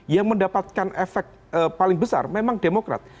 yang mendapatkan efek paling besar memang demokrat